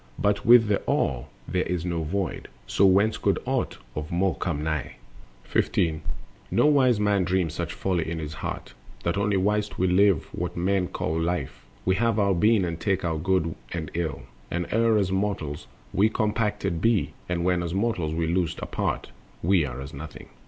But with the All there is no Void, so whence Could aught of more come nigh? Our Elements Immortal. 15. No wise man dreams such folly in his heart, That only whilst we live what men call life We have our being and take our good and ill, And ere as mortals we compacted be, And when as mortals we be loosed apart, We are as nothing.